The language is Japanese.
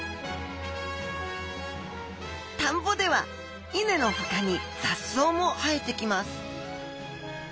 田んぼでは稲のほかに雑草も生えてきます。